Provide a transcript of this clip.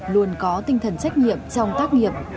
luôn có tinh thần trách nhiệm trong tác nghiệp